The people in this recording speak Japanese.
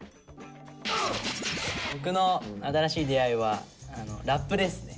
僕の新しい出会いはラップですね。